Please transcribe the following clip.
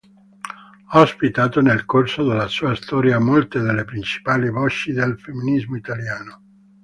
Ha ospitato nel corso della sua storia molte delle principali voci del femminismo italiano.